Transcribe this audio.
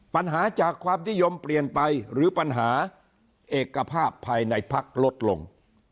ปัญหาจากความนิยมเปลี่ยนไปหรือปัญหาเอกภาพภายในพักลดลง